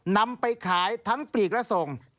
นำไปขายทั้งปลีกและส่ง